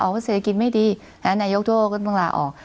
วีลาออกเสร็จกิจไม่ดีแนวะโด่กาลลองราออก